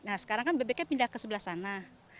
nah sekarang kan bebeknya pindah ke sebelah sana